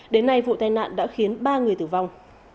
đến nay vụ tai nạn đã khiến ba người tử vong